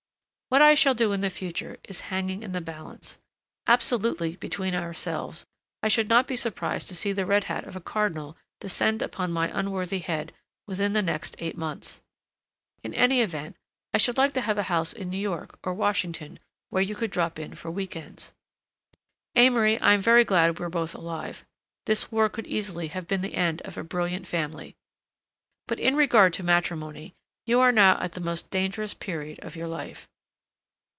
What I shall do in the future is hanging in the balance. Absolutely between ourselves I should not be surprised to see the red hat of a cardinal descend upon my unworthy head within the next eight months. In any event, I should like to have a house in New York or Washington where you could drop in for week ends. Amory, I'm very glad we're both alive; this war could easily have been the end of a brilliant family. But in regard to matrimony, you are now at the most dangerous period of your life.